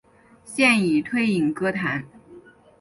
现已退隐歌坛。